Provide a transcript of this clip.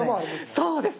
そうです。